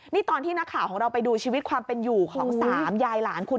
นี่ตอนที่นักข่าวของเราไปดูชีวิตความเป็นอยู่ของ๓ยายหลานคุณ